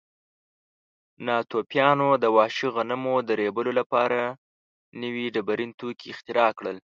ناتوفیانو د وحشي غنمو د ریبلو لپاره نوي ډبرین توکي اختراع کړل.